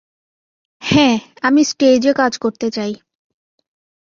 হ্যাঁ, আমি স্টেজে কাজ করতে চাই।